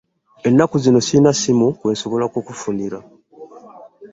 Ennaku zino sirina ssimu kwensobola ku kufunira.